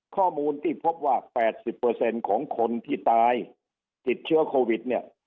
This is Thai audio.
ข้อมูลที่พบว่าแปดสิบเปอร์เซ็นต์ของคนที่ตายติดเชื้อโควิดเนี่ย